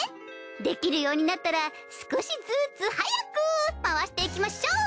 できるようになったら少しずつ早く回していきましょう。